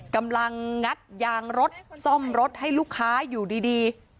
งัดยางรถซ่อมรถให้ลูกค้าอยู่ดี